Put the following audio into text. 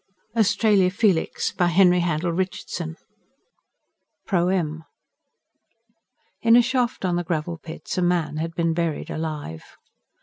Australia Felix by Henry Handel Richardson PROEM In a shaft on the Gravel Pits, a man had been buried alive.